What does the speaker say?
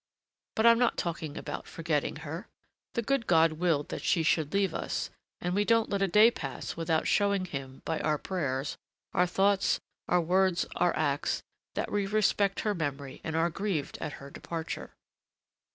But I'm not talking about forgetting her. The good God willed that she should leave us, and we don't let a day pass without showing Him, by our prayers, our thoughts, our words, our acts, that we respect her memory and are grieved at her departure.